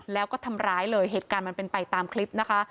แล้วก็ทำร้ายเลยเหตุการณ์มันเป็นไปตามคลิปนะคะ